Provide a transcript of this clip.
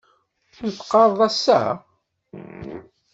Ur teqqareḍ ass-a?